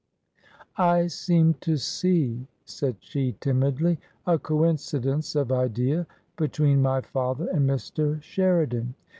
" I seem to see," said she, timidly, " a coincidence of idea between my father and Mr. Sheridan.